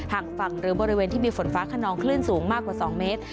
ฝั่งฝั่งหรือบริเวณที่มีฝนฟ้าขนองคลื่นสูงมากกว่า๒เมตร